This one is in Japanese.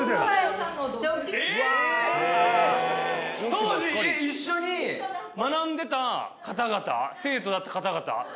当時一緒に学んでた方々生徒だった方々。